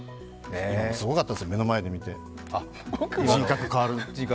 今もすごかったですよ、目の前で見て人格が変わる。